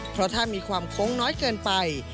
เพราะถ้ามีความโค้งน้อยเกินไป